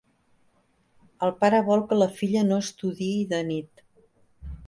El pare vol que la filla no estudiï de nit.